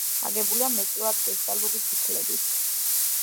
აგებულია მეტწილად კრისტალური ფიქლებით.